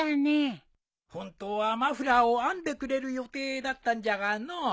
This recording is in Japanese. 本当はマフラーを編んでくれる予定だったんじゃがのう。